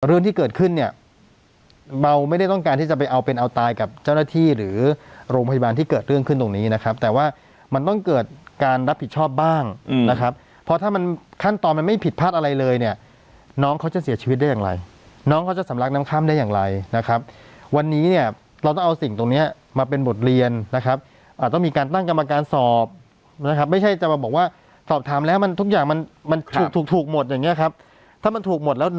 เรื่องที่เกิดขึ้นเนี่ยเบาไม่ได้ต้องการที่จะไปเอาเป็นเอาตายกับเจ้าหน้าที่หรือโรงพยาบาลที่เกิดเรื่องขึ้นตรงนี้นะครับแต่ว่ามันต้องเกิดการรับผิดชอบบ้างนะครับเพราะถ้ามันขั้นตอนมันไม่ผิดพลาดอะไรเลยเนี่ยน้องเขาจะเสียชีวิตได้อย่างไรน้องเขาจะสำรักน้ำค่ำได้อย่างไรนะครับวันนี้เนี่ยเราต้องเอาสิ่งตรงเน